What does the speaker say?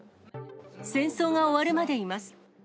戦争が終わるまでいます。